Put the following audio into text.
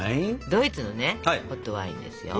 ドイツのねホットワインですよ。